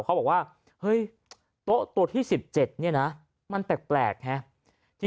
เขาบอกว่าเฮ้ยโต๊ะตัวที่๑๗เนี่ยนะมันแปลกฮะ